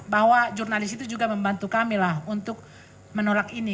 bahwa jurnalis itu juga membantu kami lah untuk menolak ini